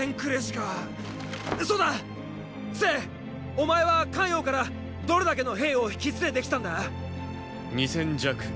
お前は咸陽からどれだけの兵を引き連れて来たんだ⁉二千弱。